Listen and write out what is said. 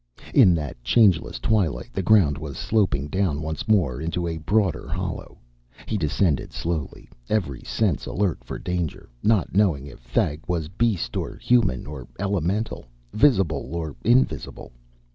In that changeless twilight the ground was sloping down once more into a broader hollow. He descended slowly, every sense alert for danger, not knowing if Thag was beast or human or elemental, visible or invisible.